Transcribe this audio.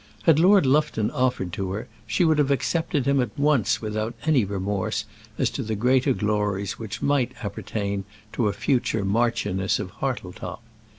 Had Lord Lufton offered to her, she would have accepted him at once without any remorse as to the greater glories which might appertain to a future Marchioness of Hartletop.